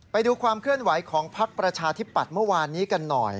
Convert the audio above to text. ไปดูความเคลื่อนไหวของพักประชาธิปัตย์เมื่อวานนี้กันหน่อย